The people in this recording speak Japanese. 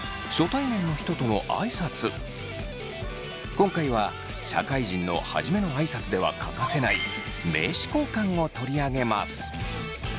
今回は社会人の初めの挨拶では欠かせない名刺交換を取り上げます。